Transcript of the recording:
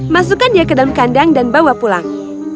masukkan dia ke dalam kandang dan bawa pulang